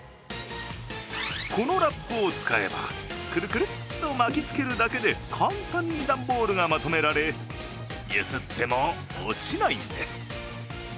このラップを使えば、くるくるっと巻きつけるだけで簡単に段ボールがまとめられ揺すっても落ちないんです。